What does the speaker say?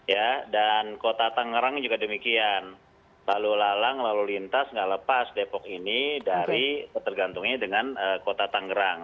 ya dan kota tangerang juga demikian lalu lalang lalu lintas nggak lepas depok ini dari tergantungnya dengan kota tangerang